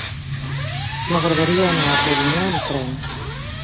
M'agradaria anar a Polinyà amb tren.